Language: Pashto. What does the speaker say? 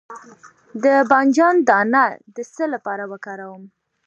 د بانجان دانه د څه لپاره وکاروم؟